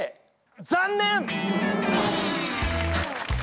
残念！